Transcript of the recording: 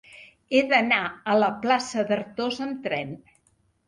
He d'anar a la plaça d'Artós amb tren.